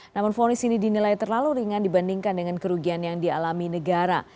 namun fonis ini dinilai terlalu ringan dibandingkan dengan kerugian yang dialami negara